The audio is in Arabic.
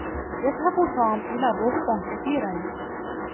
يذهب توم إلى بوسطن كثيرًا.